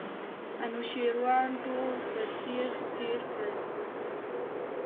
انوشیروان ټول تر تېغ تېر کړل.